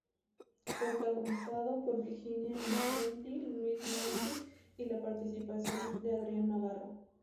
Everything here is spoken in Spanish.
Protagonizado por Virginia Innocenti, Luis Machín y la participación de Adrián Navarro.